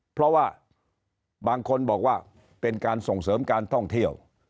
เพราะว่าบางคนบอกว่าเป็นการส่งเสริมการท่องเที่ยว